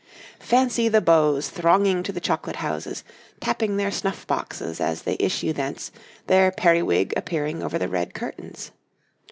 'Fancy the beaux thronging to the chocolate houses, tapping their snuff boxes as they issue thence, their periwig appearing over the red curtains.